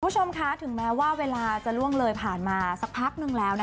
คุณผู้ชมคะถึงแม้ว่าเวลาจะล่วงเลยผ่านมาสักพักนึงแล้วนะคะ